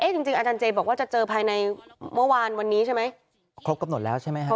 จริงอาจารย์เจบอกว่าจะเจอภายในเมื่อวานวันนี้ใช่ไหมครบกำหนดแล้วใช่ไหมฮะ